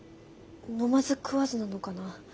飲まず食わずなのかな？